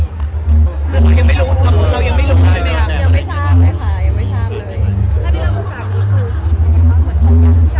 เรายังไม่รู้